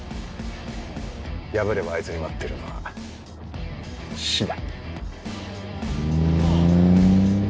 破ればあいつに待ってるのは死だ。